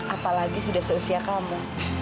apalagi sudah seusia kamu